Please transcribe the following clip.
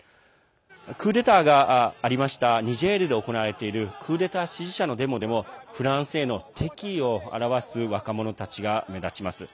クーデターがありましたニジェールで行われているクーデター支持者のデモでもフランスへの敵意を表す若者たちが目立ちます。